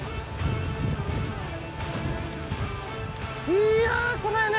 いや来ないね。